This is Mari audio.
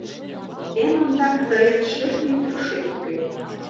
Эн ондак, тыйын шӧртньӧ пӱкшет уке.